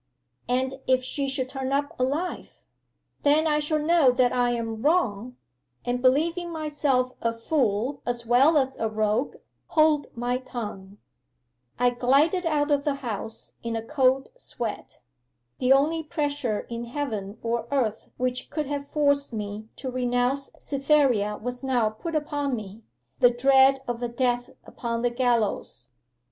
'"And if she should turn up alive?" '"Then I shall know that I am wrong, and believing myself a fool as well as a rogue, hold my tongue." 'I glided out of the house in a cold sweat. The only pressure in heaven or earth which could have forced me to renounce Cytherea was now put upon me the dread of a death upon the gallows.